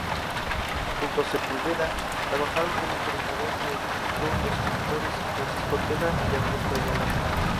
Junto a Sepúlveda trabajaron como Coordinador Periodístico, los escritores Francisco Ortega y Ernesto Ayala.